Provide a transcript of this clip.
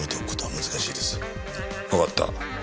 わかった。